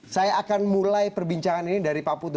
saya akan mulai perbincangan ini dari pak putu